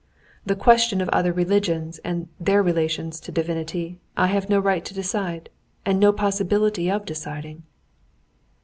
The question of other religions and their relations to Divinity I have no right to decide, and no possibility of deciding."